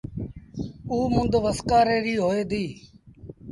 اُ مند وسڪآري ري هوئي ديٚ۔